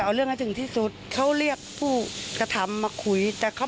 เป็นห้องน้ำริมหาด